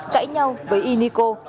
cãi nhau với y niko